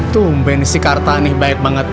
tumben si karta nih baik banget